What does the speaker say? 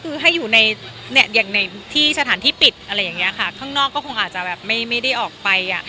คือถ้าอยู่ในสถานที่ปิดข้างนอกก็คงอาจจะไม่ได้ออกไป